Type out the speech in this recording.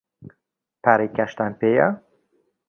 پارەی کاشتان پێیە؟